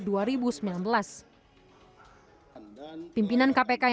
pimpinan kpk yang berhasil dituntaskan pada era agus raharjo